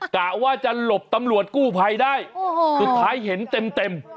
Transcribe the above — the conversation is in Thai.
กะว่าจะหลบตำรวจกู้ภัยได้สุดท้ายเห็นเต็ม